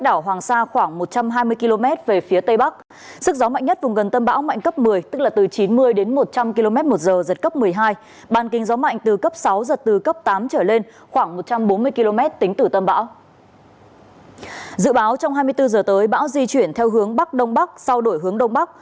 dự báo trong hai mươi bốn h tới bão di chuyển theo hướng bắc đông bắc sau đổi hướng đông bắc